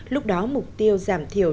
lúc đó mục tiêu giảm thiểu